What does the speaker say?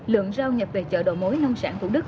lượng rau nhập về chợ đầu mối nông sản thủ đức